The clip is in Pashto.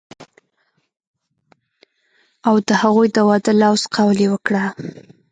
او د هغوي د وادۀ لوظ قول يې وکړۀ